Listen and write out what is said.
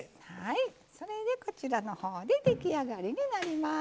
それでこちらの方で出来上がりになります。